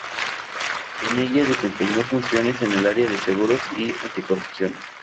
En ella desempeñó funciones en el área de seguros y anticorrupción.